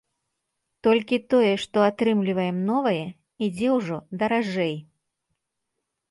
Толькі тое, што атрымліваем новае, ідзе ўжо даражэй.